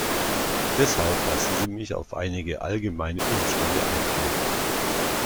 Deshalb lassen Sie mich auf einige allgemeine Umstände eingehen.